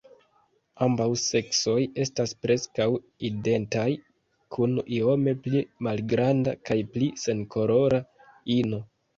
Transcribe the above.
Ambaŭ seksoj estas preskaŭ identaj kun iome pli malgranda kaj pli senkolora ino.